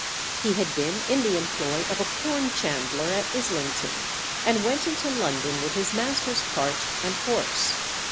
He had been in the employ of a corn chandler at Islington, and went into London with his master's cart and horse.